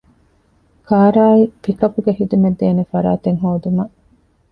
ކާރާއި ޕިކަޕްގެ ޚިދުމަތްދޭނެ ފަރާތެއް ހޯދުމަށް